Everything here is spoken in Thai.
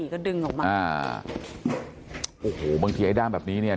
ก็ดึงออกมาอ่าโอ้โหบางทีไอ้ด้ามแบบนี้เนี่ย